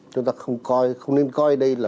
chúng ta không nên coi đây là